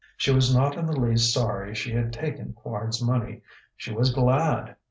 She was not in the least sorry she had taken Quard's money; she was glad.